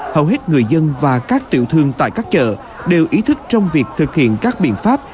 hầu hết người dân và các tiểu thương tại các chợ đều ý thức trong việc thực hiện các biện pháp